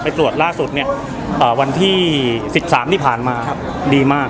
ไปตรวจล่าสุดเนี้ยอ่าวันที่สิบสามที่ผ่านมาครับดีมาก